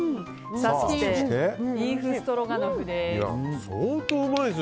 そしてビーフストロガノフです。